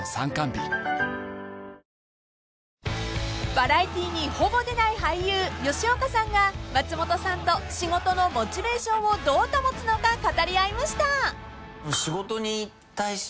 ［バラエティーにほぼ出ない俳優吉岡さんが松本さんと仕事のモチベーションをどう保つのか語り合いました］